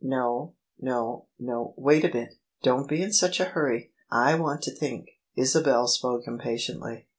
" No, no, no, wait a bit; don't be in such a hurry: I want to think." Isabel spoke impatiently.